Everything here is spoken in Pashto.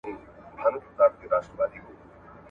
دورکهايم کره ميتود وکاراوه.